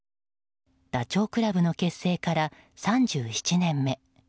ダチョウ倶楽部の結成から３７年目。